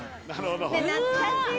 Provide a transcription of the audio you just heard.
懐かしい。